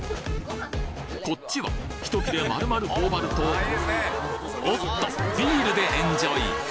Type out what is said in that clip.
こっちは一切れ丸々頬張るとおっとビールでエンジョイ！